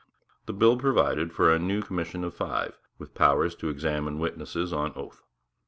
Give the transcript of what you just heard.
The bill provided for a new commission of five, with power to examine witnesses on oath.